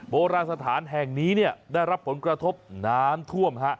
โบราณสถานแห่งนี้ได้รับผลกระทบน้ำท่วม